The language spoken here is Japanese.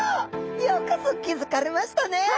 よくぞ気付かれましたね！